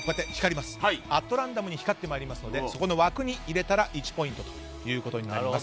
アトランダムに光ってまいりますのでそこの枠に入れたら１ポイントとなります。